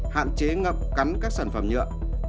hạn chế ngập cắn các sản phẩm nhựa